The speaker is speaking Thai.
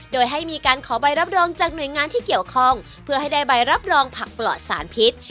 โดยให้มีการขอใบรับรองจากหน่วยงานที่เกี่ยวข้องเพื่อให้ได้ใบรับรองผักปลอดสารพิษ